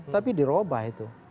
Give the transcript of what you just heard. tapi dirobah itu